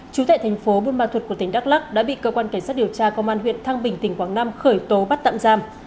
chú tại thành phố buôn ma thuật của tỉnh đắk lắc đã bị cơ quan cảnh sát điều tra công an huyện thăng bình tỉnh quảng nam khởi tố bắt tạm giam